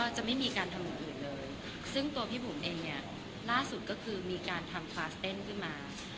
จัมพ์อื่นเลยซึ่งพี่บุ่มเองเนี่ยล่าสุดก็คือมีกลางทำคลาสเต้นขึ้นมา